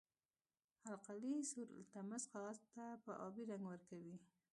القلي سور لتمس کاغذ ته آبي رنګ ورکوي.